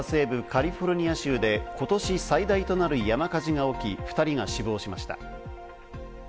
カリフォルニア州で今年最大となる山火事が起き、２人が死亡しました。